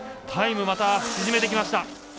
タイムまた縮めてきました。